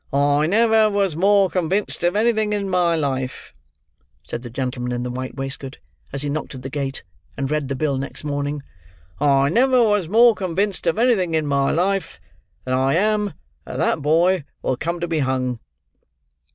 "I never was more convinced of anything in my life," said the gentleman in the white waistcoat, as he knocked at the gate and read the bill next morning: "I never was more convinced of anything in my life, than I am that that boy will come to be hung."